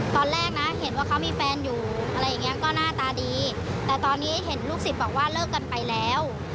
ตอนแรกนะเห็นว่าเขามีแฟนอยู่อะไรอย่างเงี้ยก็หน้าตาดีแต่ตอนนี้เห็นลูกศิษย์บอกว่าเลิกกันไปแล้ว